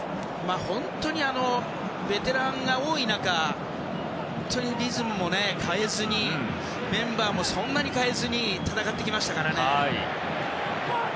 本当に、ベテランが多い中リズムも変えずにメンバーもそんなに変えずに戦ってきましたからね。